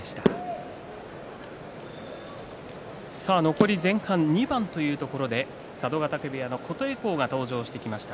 残り前半２番というところで佐渡ヶ嶽部屋の琴恵光が登場してきました。